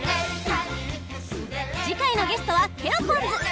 次回のゲストはケロポンズ。